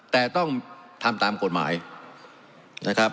แต่ต้องทำตามกฎหมายนะครับ